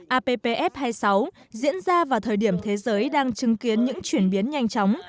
appf hai mươi sáu diễn ra vào thời điểm thế giới đang chứng kiến những chuyển biến nhanh chóng